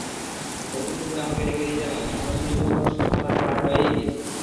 পরদিন দুপুরে আমাকে ডেকে নিয়ে জানালেন, সন্ন্যাসী নিখোঁজ-রহস্যের সমাধান প্রায় হয়েই গেছে।